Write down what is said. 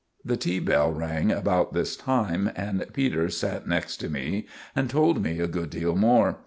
The tea bell rang about this time, and Peters sat next to me and told me a good deal more.